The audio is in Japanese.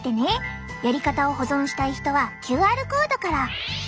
やり方を保存したい人はＱＲコードから。